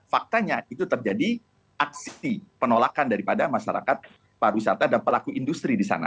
faktanya itu terjadi aksi penolakan daripada masyarakat para wisata dan pelaku industri disana